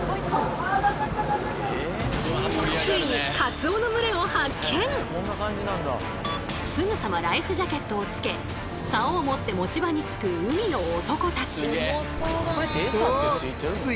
ついにすぐさまライフジャケットをつけ竿を持って持ち場につく海の男たち！